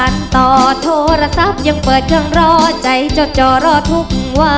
รถได้ครับ